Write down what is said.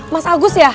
mas agus ya